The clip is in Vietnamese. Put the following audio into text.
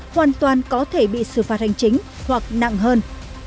hoàn toàn có thể bị xử phạt hành chính hoặc nặng hơn